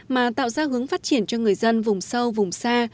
mà tạo ra hướng phát triển cho người dân vùng sâu vùng xa